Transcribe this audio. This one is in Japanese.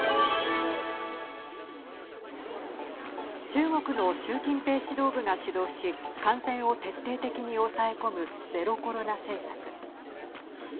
中国の習近平指導部が主導し感染を徹底的に抑え込むゼロコロナ政策。